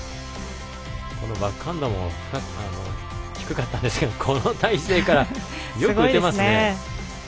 バックハンドも低かったですがこの体勢からよく打てますね。